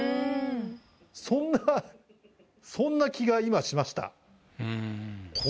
そんなそんな気が今しました。